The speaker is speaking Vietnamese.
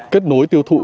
kết nối tiêu thụ